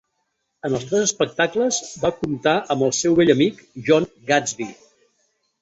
En els tres espectacles va comptar amb el seu vell amic, Jon Gadsby